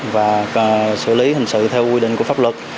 và xử lý hình sự theo quy định của pháp luật